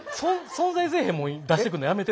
存在せえへんもん出してくんのやめて。